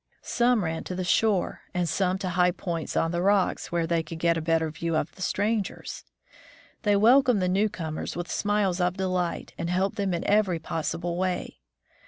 Some ran to the shore, and some to high points on rocks, where they could get a better view of the strangers. They welcomed the newcomers with smiles of delight, and helped them in every possible way.